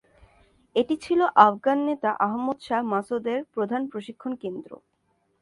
এটি ছিল আফগান নেতা আহমদ শাহ মাসুদ এর প্রধান প্রশিক্ষণ কেন্দ্র।